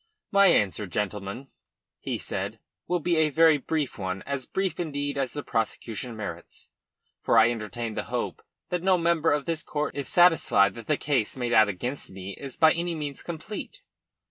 "My answer, gentlemen," he said, "will be a very brief one as brief, indeed, as the prosecution merits for I entertain the hope that no member of this court is satisfied that the case made out against me is by any means complete."